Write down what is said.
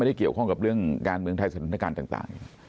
ได้เกี่ยวข้องกับเรื่องการเมืองไทยสถานการณ์ต่าง